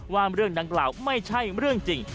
ว่าเรื่องดังกล่าวไม่ใช่เรื่องจริง